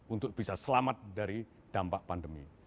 untuk bisa selamat dari dampak pandemi